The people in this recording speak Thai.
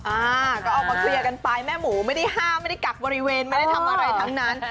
อ่าก็เอามาเคลียร์กันไปแม่หมูไม่ได้ห้ามไม่ได้กักบริเวณไม่ได้ทำอะไรทั้งนั้น